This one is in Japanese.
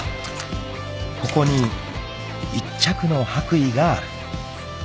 ［ここに１着の白衣がある］